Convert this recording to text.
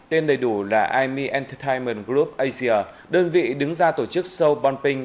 tên đầy đủ là ime entertainment group asia đơn vị đứng ra tổ chức show bonping